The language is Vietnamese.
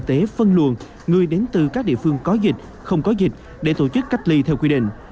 các cơ quan y tế phân luồn người đến từ các địa phương có dịch không có dịch để tổ chức cách ly theo quy định